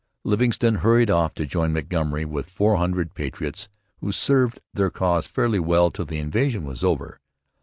Livingston hurried off to join Montgomery with four hundred 'patriots' who served their cause fairly well till the invasion was over.